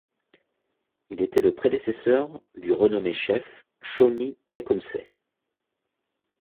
Il était le prédécesseur du renommé chef Shawnee Tecumseh.